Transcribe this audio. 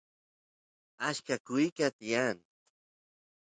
acha kuyqa tiyan